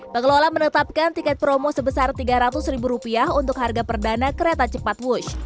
pengelola menetapkan tiket promo sebesar rp tiga ratus ribu rupiah untuk harga perdana kereta cepat wush